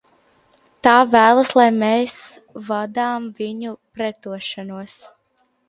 Tā vēlas, lai mēs vadām viņu pretošanos!